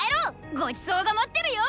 ごちそうが待ってるよー。